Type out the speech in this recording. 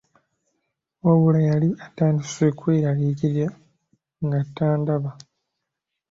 Wabula yali atandise kweraliikirira anti nga tandaba.